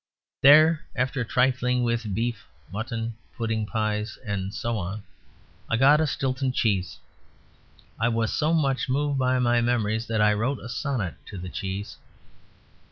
There (after trifling with beef, mutton, puddings, pies, and so on) I got a Stilton cheese. I was so much moved by my memories that I wrote a sonnet to the cheese.